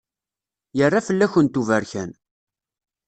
Yerra fell-kent uberkan.